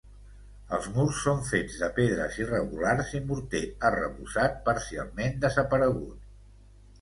Els murs són fets de pedres irregulars i morter arrebossat parcialment desaparegut.